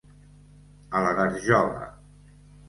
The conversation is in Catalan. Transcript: A la garjola.